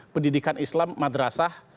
pendidikan islam madrasah